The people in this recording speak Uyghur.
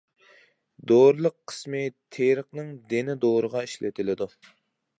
دورىلىق قىسمى تېرىقنىڭ دېنى دورىغا ئىشلىتىلىدۇ.